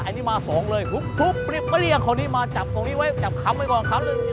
อันนี้มาสองเลยฟุ๊บก็เรียกคนนี้มาจับตรงนี้ไว้จับคำไว้ก่อนคำนึง